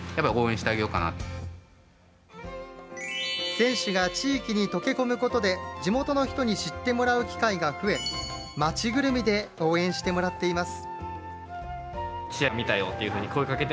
選手が地域に溶け込むことで、地元の人に知ってもらう機会が増え、街ぐるみで応援してもらっています。